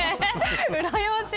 うらやましい。